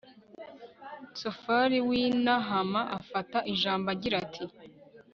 sofari w'i nahama afata ijambo, agira ati